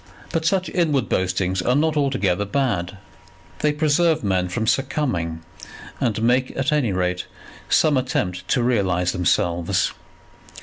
But such inward boastings are not altogether bad. They preserve men from succumbing, and make at any rate some attempt to realize themselves.